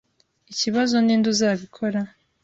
Ikibazo ninde uzabikora.